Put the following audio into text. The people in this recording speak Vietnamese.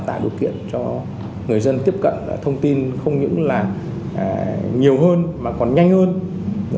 tạo điều kiện cho người dân tiếp cận thông tin không những là nhiều hơn mà còn nhanh hơn